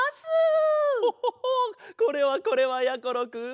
ホホホこれはこれはやころくん。